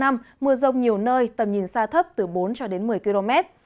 mưa rông nhiều nơi tầm nhìn xa thấp từ bốn một mươi km